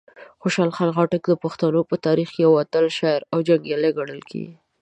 خوشحال خټک د پښتنو په تاریخ کې یو اتل شاعر او جنګیالی ګڼل کیږي.